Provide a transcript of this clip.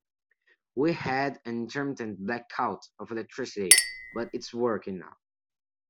We had an intermittent blackout of electricity, but it's working now.